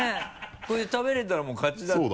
これで食べれたら勝ちだって。